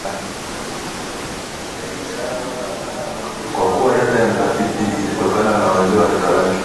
Kwa kuwa data ya mtafiti ilitokana na wazee wa rika lake